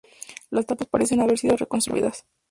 Las tapas parecen haber sido reconstruidas.